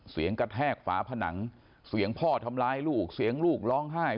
กระแทกฝาผนังเสียงพ่อทำร้ายลูกเสียงลูกร้องไห้